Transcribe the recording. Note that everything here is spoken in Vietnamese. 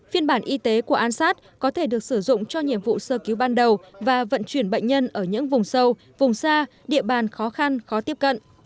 phiên bản y tế của an sát có thể được sử dụng cho nhiệm vụ sơ cứu ban đầu và vận chuyển bệnh nhân ở những vùng sâu vùng xa địa bàn khó khăn khó tiếp cận